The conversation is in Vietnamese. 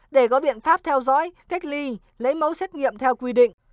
để có biện pháp theo dõi cách ly lấy mẫu xét nghiệm theo quy định